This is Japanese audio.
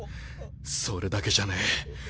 それだけじゃねえ。